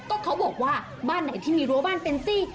ก็เขาบอกว่าบ้านไหนที่มีรั้วบ้านเป็นซี่